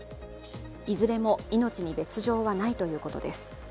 いずれも命に別状はないということです。